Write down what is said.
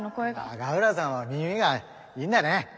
永浦さんは耳がいいんだね。